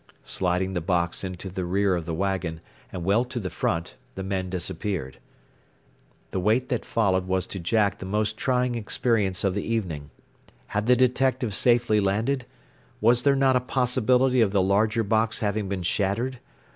Sliding the box into the rear of the wagon, and well to the front, the men disappeared. The wait that followed was to Jack the most trying experience of the evening. Had the detective safely landed? Was there not a possibility of the larger box having been shattered?